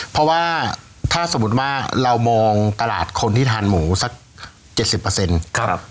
เพราะว่าถ้าสมมติว่าเรามองตลาดคนที่ทานหมูสักเจ็ดสิบเปอร์เซ็นต์ครับ